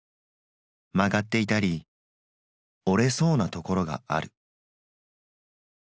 まがっていたり折れそうなところがある」。